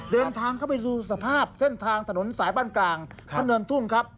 เดินทางเข้าไปดูสภาพเส้นทางถนนสายบ้านกลางถนนทุ่งครับ